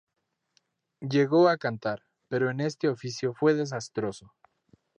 Llegó a cantar, pero en este oficio fue desastroso.